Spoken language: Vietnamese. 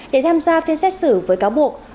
để tham gia phiên xét xử với cáo buộc